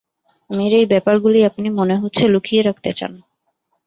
মেয়ের এই ব্যাপারগুলি আপনি মনে হচ্ছে লুকিয়ে রাখতে চান।